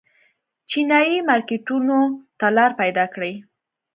چینايي مارکېټونو ته لار پیدا کړي.